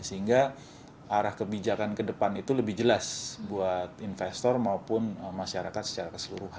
sehingga arah kebijakan ke depan itu lebih jelas buat investor maupun masyarakat secara keseluruhan